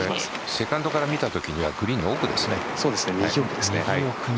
セカンドから見たときにはグリーンの奥ですね。